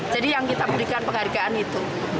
jadi yang kita berikan penghargaan itu